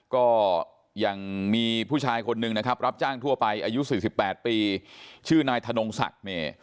ก็ยังมีผู้ชายคนหนึ่งนะครับรับจ้างทั่วไปอายุ๔๘ปีชื่อนายธนงศักดิ์เนี่ย